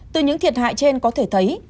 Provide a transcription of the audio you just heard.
từ những thiệt hại trên có thể thấy